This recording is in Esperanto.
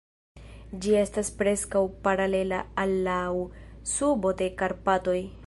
Ĝi estas preskaŭ paralela al laŭ subo de Karpatoj.